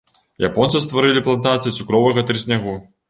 Японцы стварылі плантацыі цукровага трыснягу.